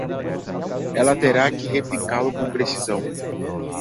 Ela terá que replicá-lo com precisão.